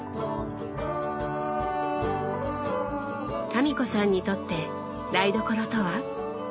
民子さんにとって台所とは？